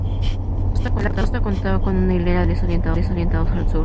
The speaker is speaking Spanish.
La casa contaba con una hilera de ventanales orientados al sur.